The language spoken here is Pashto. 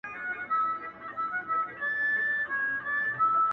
ورور د کلو له سفر وروسته ورور ته داسې ويل’